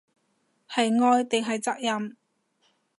係愛定係責任